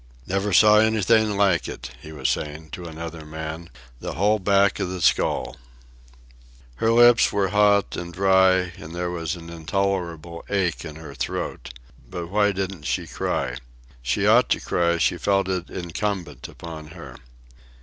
"Never saw anything like it," he was saying to another man. "The whole back of the skull." Her lips were hot and dry, and there was an intolerable ache in her throat. But why didn't she cry? She ought to cry; she felt it incumbent upon her.